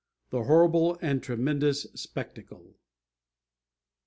"The Horrible and Tremendous Spectacle."